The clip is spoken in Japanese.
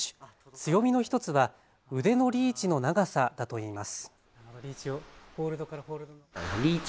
強みの１つは腕のリーチの長さだといいます。